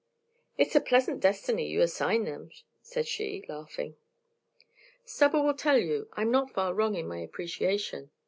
"It's a pleasant destiny you assign them," said she, laughing. "Stubber will tell you I'm not far wrong in my appreciation."